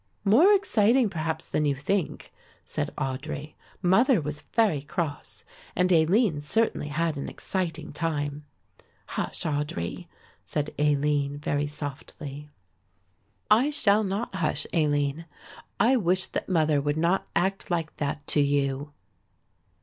"More exciting perhaps than you think," said Audry. "Mother was very cross, and Aline certainly had an exciting time." "Hush, Audry," said Aline very softly. "I shall not hush, Aline. I wish that mother would not act like that to you.